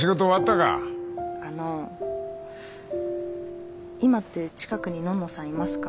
あの今って近くにのんのさんいますか？